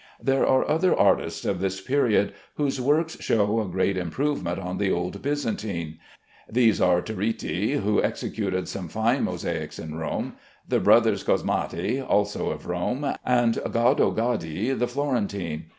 There are other artists of this period whose works show a great improvement on the old Byzantine. These are Toriti, who executed some fine mosaics in Rome; the brothers Cosmati, also of Rome; and Gaddo Gaddi, the Florentine.